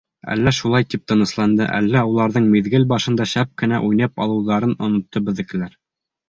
Әллә шулай тип тынысланды, әллә уларҙың миҙгел башында шәп кенә уйнап алыуҙарын онотто беҙҙекеләр.